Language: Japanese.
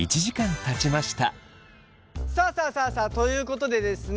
さあさあさあさあということでですね